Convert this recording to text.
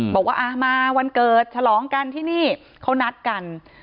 บอกว่ามาวันเกิดฉลองกันที่นี่เขานัดกัน